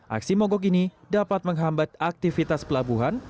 aksi mogok ini dapat menghambat aktivitas pelabuhan